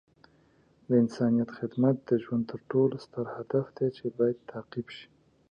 د انسانیت خدمت د ژوند تر ټولو ستر هدف دی چې باید تعقیب شي.